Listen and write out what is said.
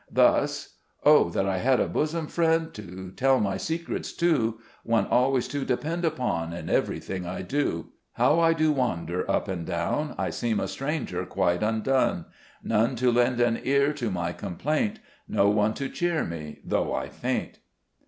Thus : "Oh, that I had a bosom friend, To tell my secrets to, 204 SKETCHES OF SLAVE LIFE. One always to depend upon In everything I do !"" How I do wander, up and down ! I seem a stranger, quite undone; None to lend an ear to my complaint, No one to cheer me, though I faint."